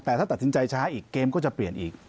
แต่ถ้าตัดสินใจช้าอีกเกมก็จะเปลี่ยนอีก